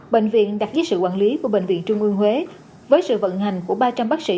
bệnh viện đặt dưới sự quản lý của bệnh viện trung ương huế với sự vận hành của ba trăm linh bác sĩ